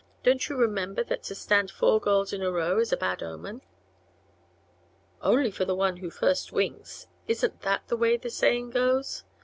"Don't you remember that to stand four girls in a row is a bad omen?" "Only for the one who first winks. Isn't that the way the saying goes?